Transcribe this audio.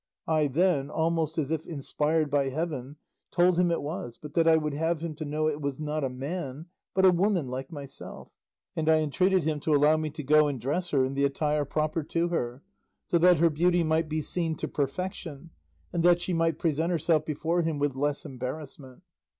I then, almost as if inspired by heaven, told him it was, but that I would have him to know it was not a man, but a woman like myself, and I entreated him to allow me to go and dress her in the attire proper to her, so that her beauty might be seen to perfection, and that she might present herself before him with less embarrassment.